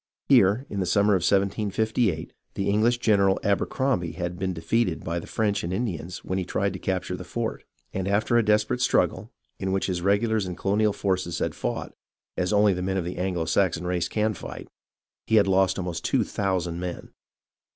Here, in the summer of 1758, the EngHsh general Abercrombie had been defeated by the French and Indians when he tried to capture the fort, and after a desperate struggle, in which his regulars and colonial forces had fought, as only the men of the Anglo Saxon race can fight, he had lost almost two thousand men.